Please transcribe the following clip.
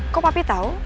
kok papi tau